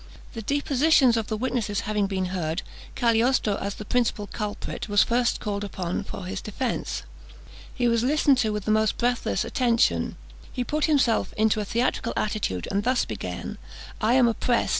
The depositions of the witnesses having been heard, Cagliostro, as the principal culprit, was first called upon for his defence. He was listened to with the most breathless attention. He put himself into a theatrical attitude, and thus began: "I am oppressed!